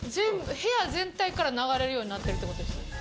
部屋全体から流れるようになってるってことですか？